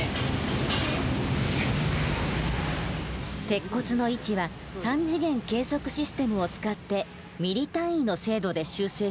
鉄骨の位置は３次元計測システムを使ってミリ単位の精度で修正していきます。